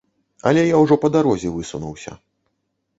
Але я ўжо па дарозе высунуўся.